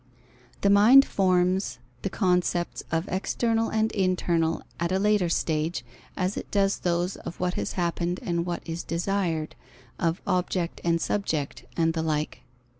The mind forms the concepts of external and internal at a later stage, as it does those of what has happened and of what is desired, of object and subject, and the like.